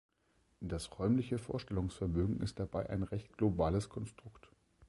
Das räumliche Vorstellungsvermögen ist dabei ein recht globales Konstrukt.